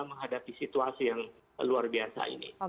menghadapi situasi yang luar biasa ini